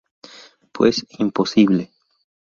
Pues, imposible.